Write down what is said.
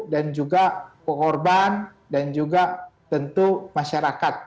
dan juga pengorban dan juga tentu masyarakat